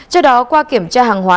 trước đó qua kiểm tra hàng hóa